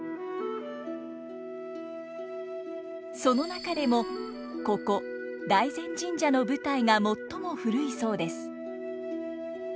その中でもここ大膳神社の舞台が最も古いそうです。